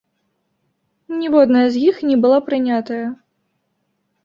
Ніводная з іх не была прынятая.